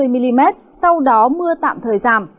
năm mươi tám mươi mm sau đó mưa tạm thời giảm